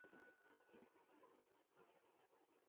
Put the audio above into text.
اس سوال کا تعلق کسی کی فتح و شکست سے بھی نہیں ہے۔